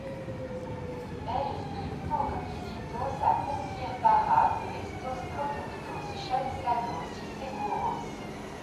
Hay estrictos requisitos a cumplir para que estos productos sean sanos y seguros.